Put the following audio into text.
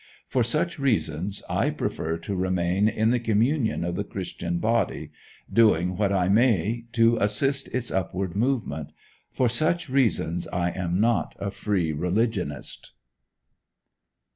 For such reasons I prefer to remain in the communion of the Christian body, doing what I may to assist its upward movement. For such reasons I am not a Free Religionist.